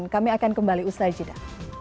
kami akan kembali usai jeda